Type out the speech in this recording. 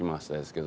けど